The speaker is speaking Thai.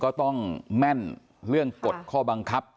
ก็ต้องแม่นเรื่องกฎข้อบังคับ